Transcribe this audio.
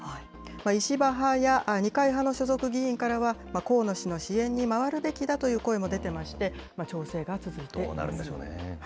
石破派や二階派の所属議員からは、河野氏の支援に回るべきだという声も出てまして、調整が続いていどうなるんでしょうね。